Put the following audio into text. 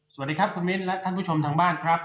สวัสดีครับคุณมิ้นและท่านผู้ชมทางบ้านครับ